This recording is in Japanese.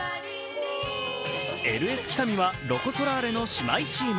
ＬＳ北見はロコ・ソラーレの姉妹チーム。